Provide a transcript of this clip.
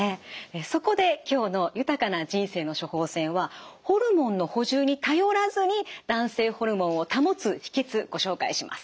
そこで今日の「豊かな人生の処方せん」はホルモンの補充に頼らずに男性ホルモンを保つ秘けつご紹介します。